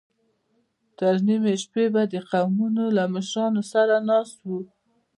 تر نيمې شپې به د قومونو له مشرانو سره ناست و.